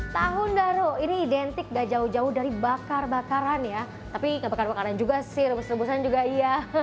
tahun baru ini identik gak jauh jauh dari bakar bakaran ya tapi gak bakar bakaran juga sih rebus rebusan juga iya